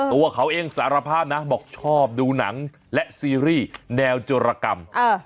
ตัวเขาเองสารภาพนะบอกชอบดูหนังและซีรีส์แนวโจรกรรม